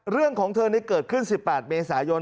เรื่องของเธอนี่เกิดขึ้น๑๘เมษายน